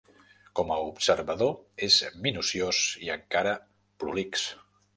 Com a observador és minuciós i encara prolix.